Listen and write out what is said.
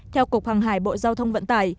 theo cục hàng hải bộ giao thông vận tải